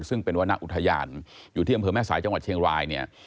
ซึ่งเป็นวรรณอุทยานอยู่ที่อำเภอแม่สายจังหวัดเชียงรายเนี่ย